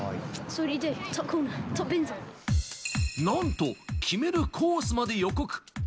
何と決めるコースまで予告。